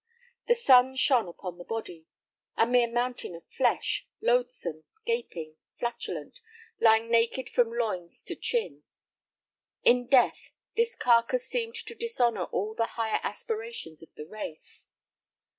The sun shone upon the body, a mere mountain of flesh, loathsome, gaping, flatulent, lying naked from loins to chin. In death this carcass seemed to dishonor all the higher aspirations of the race.